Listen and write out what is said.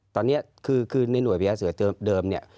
ตอนนี้คือในหน่วยพญาเสือเดิมเนี่ย